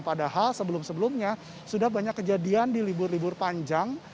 padahal sebelum sebelumnya sudah banyak kejadian di libur libur panjang